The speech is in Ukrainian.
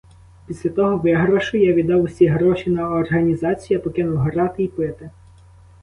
Після того виграшу я віддав усі гроші на організацію, я покинув грати й пити.